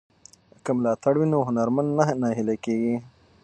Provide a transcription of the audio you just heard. که ملاتړ وي نو هنرمند نه نهیلی کیږي.